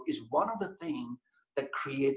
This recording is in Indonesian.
adalah salah satu hal